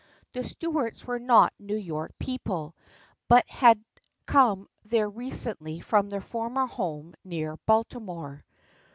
The Stuarts were not New York people, but had come there recently from their former home near Baltimore.